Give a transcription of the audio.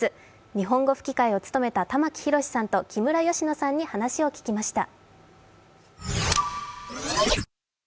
日本語吹き替えを務めた玉木宏さんと木村佳乃さんに話を聞きました。